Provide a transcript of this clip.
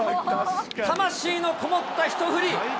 魂の込もった一振り。